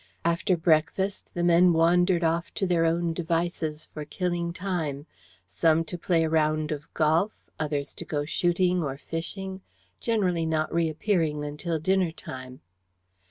After breakfast the men wandered off to their own devices for killing time: some to play a round of golf, others to go shooting or fishing, generally not reappearing until dinner time.